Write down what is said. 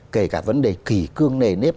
kể cả vấn đề kỳ cương nề nếp